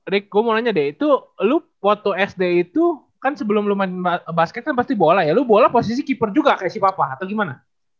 ricko maulananya deh itu lu waktu sd itu kan sebelum lu main basket kan pasti bola ya lu bola posisi keeper juga kayak si papa atau gimana